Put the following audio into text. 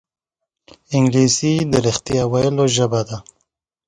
انګلیسي د رښتیا ویلو ژبه ده